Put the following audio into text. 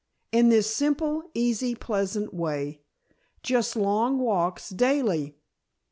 In this simple, easy, pleasant way just long walks, daily.